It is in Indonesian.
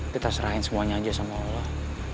kita serahin semuanya aja sama allah